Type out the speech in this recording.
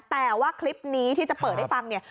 แต่ว่าคลิปนี้ที่จะเปิดให้ฟังเนี่ย